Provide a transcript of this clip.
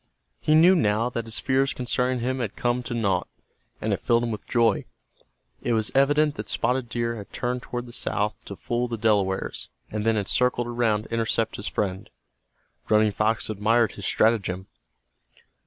He knew now that his fears concerning him had come to nought, and it filled him with joy. It was evident that Spotted Deer had turned toward the south to fool the Delawares, and then had circled around to intercept his friend. Running Fox admired his stratagem.